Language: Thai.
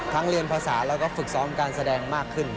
เรียนภาษาแล้วก็ฝึกซ้อมการแสดงมากขึ้น